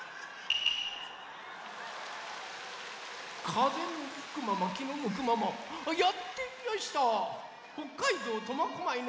かぜのふくままきのむくままやってきやした北海道苫小牧のわんだー